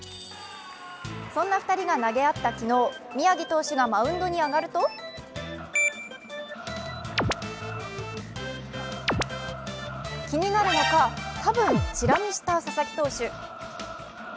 そんな２人が投げ合った昨日、宮城投手がマウンドに上がると気になるのか、多分、チラ見した佐々木投手。